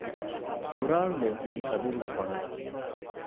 ފުރާޅުލެއްވީ ކަދުރުގެ ފަނުން